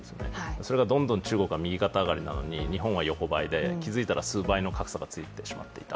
それがどんどん、中国は右肩上がりなのに日本は横ばいで気づいたら数倍の格差がついてしまっていた。